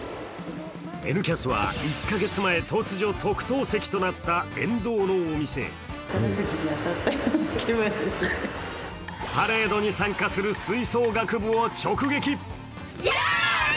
「Ｎキャス」は、１か月前突如、特等席となった沿道のお店、パレードに参加する吹奏楽部を直撃。